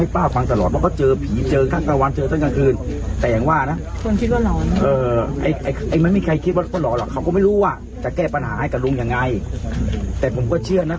ปัญหากับลุงยังไงแต่ผมก็เชื่อนะ